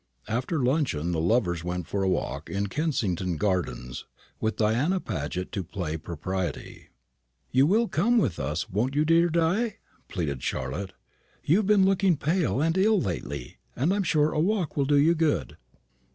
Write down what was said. After luncheon the lovers went for a walk in Kensington gardens, with Diana Paget to play propriety. "You will come with us, won't you, dear Di?" pleaded Charlotte. "You have been looking pale and ill lately, and I am sure a walk will do you good."